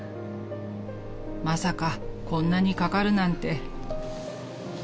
［まさかこんなにかかるなんて］